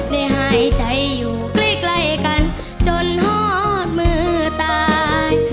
หายใจอยู่ใกล้กันจนหอดมือตาย